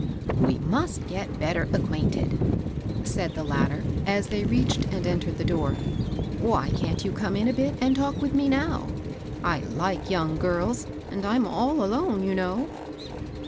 " We must get bett^ acquainted," said the lat ter, as they reached and entered the door. " Why can't you come in a bit and talk with me now ? I like young girls, and I'm all alone, you know."